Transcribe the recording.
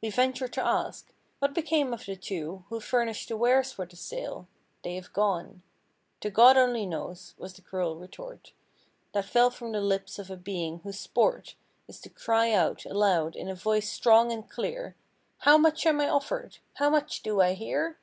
We venture to ask—"Wliat became of the two Who furnished the wares for the sale?" "They have gone To God only knows"—^was the cruel retort That fell from the lips of a being, whose sport Is to cry out aloud in a voice strong and clear— "How much am I offered?" "How much do I hear?"